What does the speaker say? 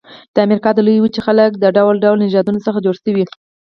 د امریکا د لویې وچې خلک د ډول ډول نژادونو څخه جوړ شوي.